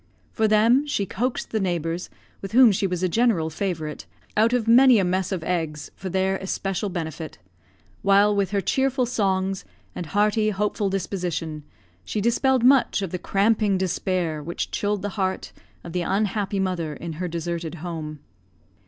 For them, she coaxed the neighbours, with whom she was a general favourite, out of many a mess of eggs for their especial benefit; while with her cheerful songs, and hearty, hopeful disposition, she dispelled much of the cramping despair which chilled the heart of the unhappy mother in her deserted home.